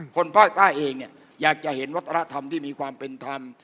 คนภาคใต้เองเนี่ยอยากจะเห็นวัฒนธรรมที่มีความเป็นธรรม